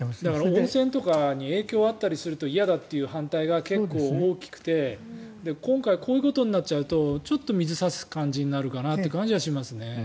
温泉とかに影響があったりすると嫌だという反対が結構大きくて今回こういうことになっちゃうと水を差す感じがするかなと思いますね。